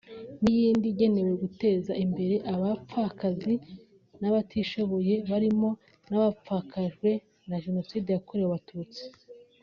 n’iyindi igenewe guteza imbere abapfakazi batishoboye barimo n’abapfakajwe na Jenoside yakorewe Abatutsi